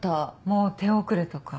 もう手遅れとか？